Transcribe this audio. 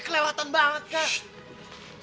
kelewatan banget kak